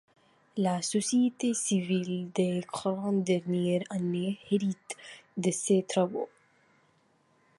La société civile des quarante dernières années hérite de ces travaux.